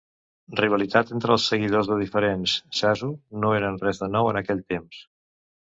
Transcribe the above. Rivalitats entre els seguidors de diferents "zasu" no eren res de nou en aquell temps.